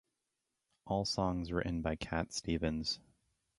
All songs written by Cat Stevens.